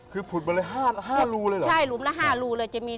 คือพุดมาเลย๕ลูเลยเหรอ